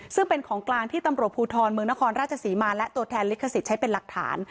ซึ่งเป็นของกลางที่ตำรวจภูทรเมืองนครราชศรีมาและตัวแทนลิขสิทธิ์ใช้เป็นหลักฐาน